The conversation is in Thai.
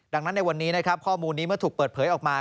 ดังนั้นในวันนี้นะครับข้อมูลนี้เมื่อถูกเปิดเผยออกมา